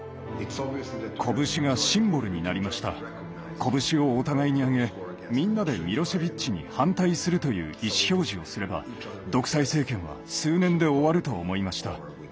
拳をお互いにあげみんなでミロシェヴィッチに反対するという意思表示をすれば独裁政権は数年で終わると思いました。